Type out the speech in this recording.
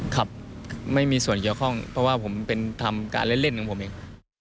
ครับไม่มีส่วนเกี่ยวข้องเพราะว่าผมเป็นทำการเล่นของผมเอง